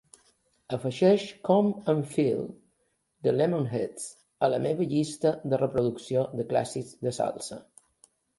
Afegeix Come on Feel the Lemonheads a la meva llista de reproducció de clàssics de salsa.